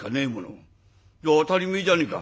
「じゃあ当たり前じゃねえか」。